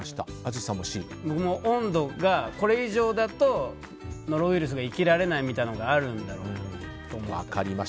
温度がこれ以上だとノロウイルスが生きられないみたいなのがあるんだろうと思う。